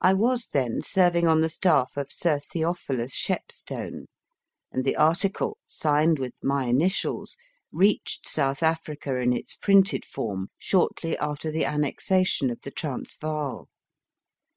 I was then serving on the staff of Sir Theophilus Shepstone, and the article, signed with my initials, reached South Africa in its printed form shortly after the annexation of the Transvaal.